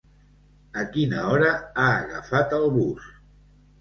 A quina hora ha agafat el bus?